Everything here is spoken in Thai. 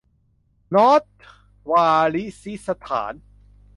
นอร์ทวาริซิสถาน